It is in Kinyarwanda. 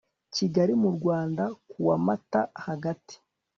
kigali mu rwanda kuwa mata hagati